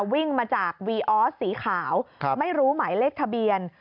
วิ่งมาจากวีออสสีขาวไม่รู้หมายเลขทะเบียน